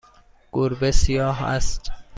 گربه سیاه است.